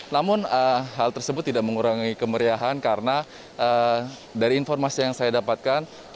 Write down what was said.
namun hal tersebut tidak mengurangi kemeriahan karena dari informasi yang saya dapatkan